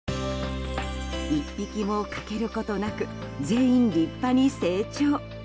１匹も欠けることなく全員、立派に成長。